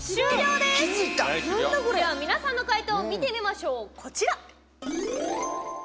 では皆さんの解答を見てみましょう、こちら。